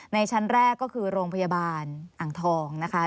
ชั้นแรกก็คือโรงพยาบาลอ่างทองนะคะ